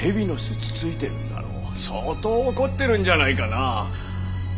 相当怒ってるんじゃないかな。